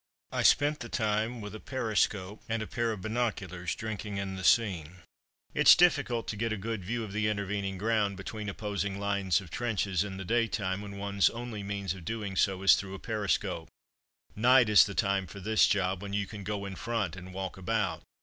I spent the time with a periscope and a pair of binoculars drinking in the scene. It's difficult to get a good view of the intervening ground between opposing lines of trenches in the day time, when one's only means of doing so is through a periscope. Night is the time for this job, when you can go in front and walk about.